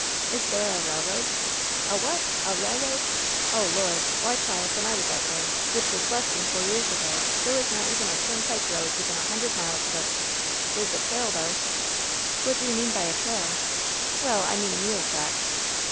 "Is there a railroad ?" "A what? A railroad? Oh, Lord! Why, child, when I was out there, which was less than four years ago, there was not even a turnpike road within a hun dred miles of it. There's a trail, though I" "What do you mean by a trail ?" "Well, I mean a mule track."